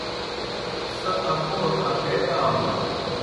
سہ اکوڑ اکے آلُن۔